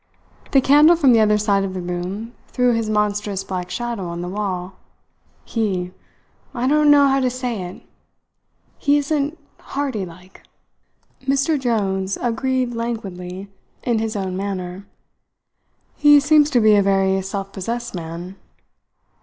The candle from the other side of the room threw his monstrous black shadow on the wall. "He I don't know how to say it he isn't hearty like." Mr Jones agreed languidly in his own manner: "He seems to be a very self possessed man."